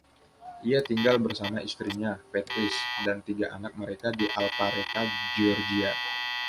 Ia tinggal bersama istrinya, Patrice, dan tiga anak mereka di Alpharetta, Georgia.